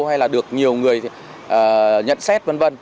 hay là được nhiều người nhận xét v v